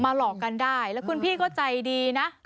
หลอกกันได้แล้วคุณพี่ก็ใจดีนะ